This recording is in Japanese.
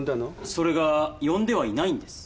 それが呼んではいないんです。